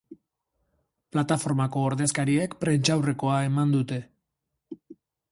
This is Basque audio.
Plataformako ordezkariek prentsaurrekoa eman dute.